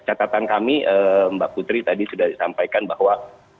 catatan kami mbak putri tadi sudah disampaikan bahwa